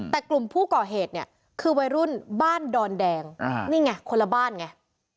แต่กลุ่มผู้ก่อเหตุเนี่ยคือวัยรุ่นบ้านดอนแดงนี่ไงคนละบ้านไง